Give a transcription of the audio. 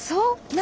何？